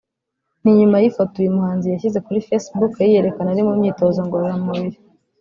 ni nyuma y’ifoto uyu muhanzi yashyize kuri Facebook yiyerekana ari mu myitozo ngororamubiri